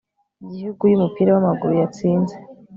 igihugu yumupira wamaguru yatsinze